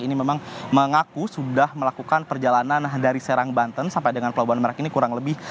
ini memang mengaku sudah melakukan perjalanan dari serang banten sampai dengan pelabuhan merak ini kurang lebih